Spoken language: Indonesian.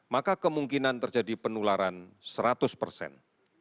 maka kemungkinan terjadi penularan seratus persen